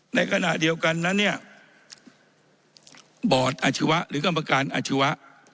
ในขณะเดียวกันนั้นเนี่ยบอร์ดอาชีวะหรือกรรมการอาชีวะ